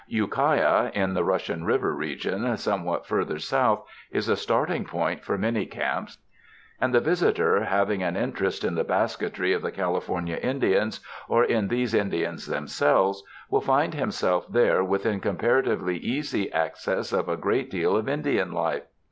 Ukiah in the Russian River region somewhat further south is a starting point for many camps, and the visitor having an interest in the basketry of the California Indians or in these In dians themselves, will find himself there within com paratively easy access of a great deal of Indian life.